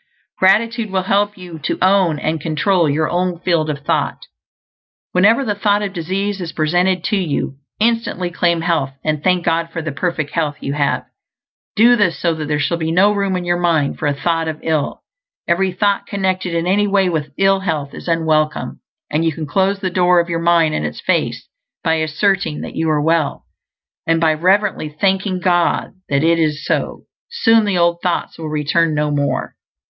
Gratitude will help you to own and control your own field of thought. Whenever the thought of disease is presented to you, instantly claim health, and thank God for the perfect health you have. Do this so that there shall be no room in your mind for a thought of ill. Every thought connected in any way with ill health is unwelcome, and you can close the door of your mind in its face by asserting that you are well, and by reverently thanking God that it is so. Soon the old thoughts will return no more.